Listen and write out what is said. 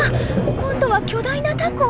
今度は巨大なタコ！？